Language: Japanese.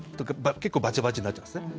結構、バチバチになっちゃうんですね。